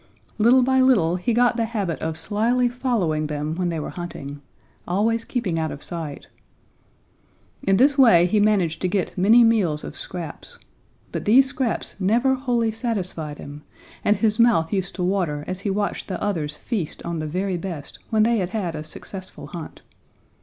Little by little he got the habit of slyly following them when they were hunting, always keeping out of sight. In this way, he managed to get many meals of scraps. But these scraps never wholly satisfied him, and his mouth used to water as he watched the others feast on the very best when they had had a successful hunt.